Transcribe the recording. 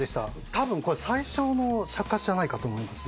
多分これ最小の尺八じゃないかと思いますね。